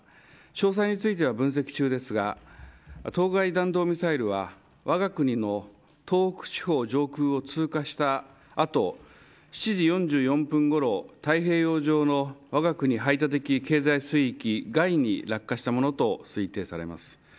詳細については分析中ですが当該弾道ミサイルは、わが国の東北地方上空を通過した後７時４４分ごろ太平洋上のわが国、排他的経済水域外に落下したものと推定されます。